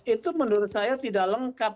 itu menurut saya tidak lengkap